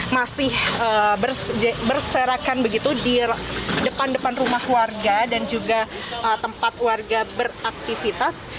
masih berserakan begitu di depan depan rumah warga dan juga tempat warga beraktivitas